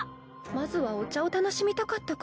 まずはお茶を楽しみたかったから。